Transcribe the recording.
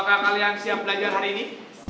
apakah kalian siap belajar hari ini